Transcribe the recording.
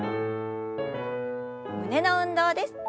胸の運動です。